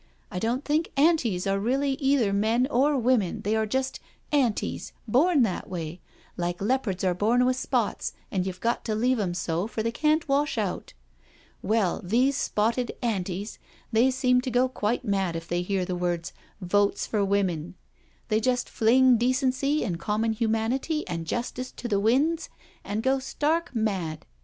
I don't think ' Antis ' are really either men or women, they are just ' Antis,' born that way, like leopards are bom with spots, and you've got to leave 'em so, for they can't wash out. Well, these spotted * Antis,' they seem to go quite mad if they hear the words ' Votes for Women.' They just fling decency and common hu manity and justice to the winds, and go stark mad.